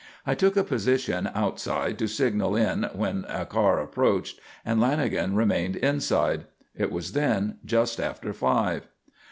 I took a position outside to signal in when a car approached and Lanagan remained inside. It was then just after five.